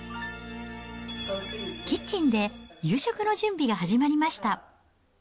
キッチンで夕食の準備が始まりました。